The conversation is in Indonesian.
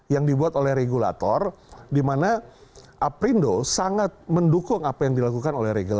yang dibuat oleh regulator di mana aprindo sangat mendukung apa yang dilakukan oleh reguler